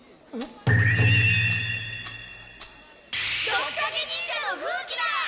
ドクタケ忍者の風鬼だ！